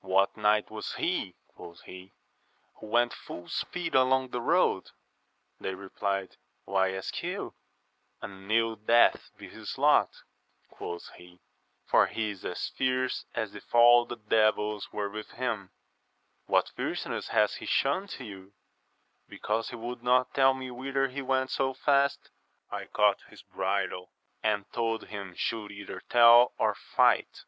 What knight was he, quoth he, who went full speed along the road ? They repUed, why ask you ? An ill death be his lot, quoth he, for he is as fierce as if all the devils were with him. What fierceness hath he shewn to you ? Because he would not tell me whither he went so fast, I caught his bridle, and told him he should either tell or fight.